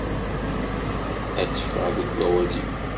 Ad ṭṭfeɣ deg wawal-iw.